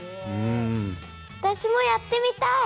わたしもやってみたい！